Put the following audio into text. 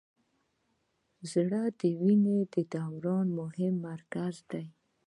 زړه د وینې د دوران مهم مرکز دی.